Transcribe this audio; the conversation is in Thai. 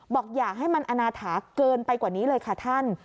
อย่าให้มันอนาถาเกินไปกว่านี้เลยค่ะท่าน